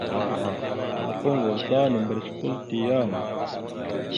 Nakw koŋgov ta nambrec kwal te yaw?